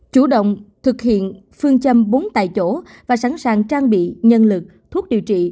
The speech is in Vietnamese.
chủ động thực hiện phương châm bốn tại chỗ và sẵn sàng trang bị nhân lực thuốc điều trị